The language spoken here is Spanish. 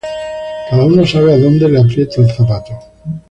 Cada uno sabe a donde le aprieta el zapato.